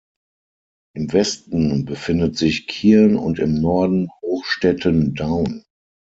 Im Westen befindet sich Kirn und im Norden Hochstetten-Dhaun.